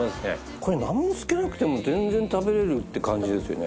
これ何もつけなくても全然食べられるって感じですね。